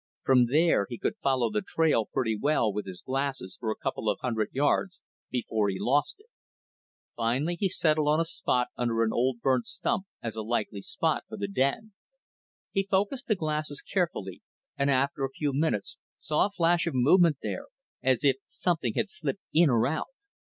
From there, he could follow the trail pretty well with his glasses for a couple of hundred yards before he lost it. Finally, he settled on a spot under an old burnt stump as a likely spot for the den. He focused the glasses carefully and after a few minutes saw a flash of movement there, as if something had slipped in or out.